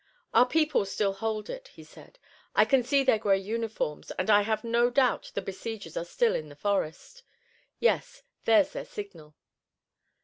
"Our people still hold it," he said. "I can see their gray uniforms and I have no doubt the besiegers are still in the forest. Yes, there's their signal!"